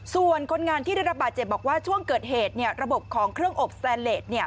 ส่วนคนงานที่ได้รับบาดเจ็บบอกว่าช่วงเกิดเหตุระบบของเครื่องอบสแตนเลส